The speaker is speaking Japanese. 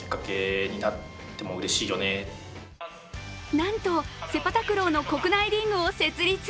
なんとセパタクローの国内リーグを設立。